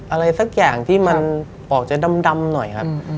อะไรสักอย่างที่มันออกจะดำหน่อยครับ